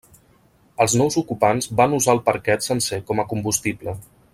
Els nous ocupants van usar el parquet sencer com a combustible.